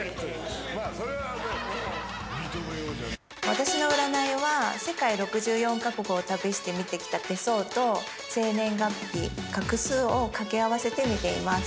私の占いは世界６４カ国を旅して見てきた手相と生年月日画数を掛け合わせて見ています。